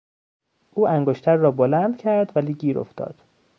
او انگشتر را بلند کرد ولی گیر افتاد.